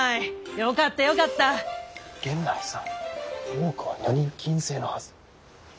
大奥は女人禁制のはず。